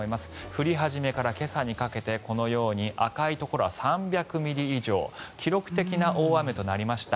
降り始めから今朝にかけてこのように赤いところは３００ミリ以上、記録的な大雨となりました。